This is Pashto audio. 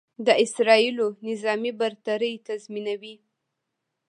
د اسرائیلو نظامي برتري تضیمنوي.